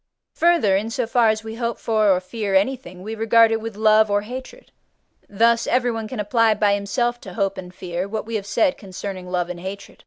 Further, in so far as we hope for or fear anything, we regard it with love or hatred; thus everyone can apply by himself to hope and fear what we have said concerning love and hatred.